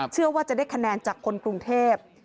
เชื่อว่าจะได้คะแนนจากคนกรุงเทพ